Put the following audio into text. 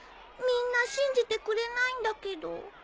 みんな信じてくれないんだけど。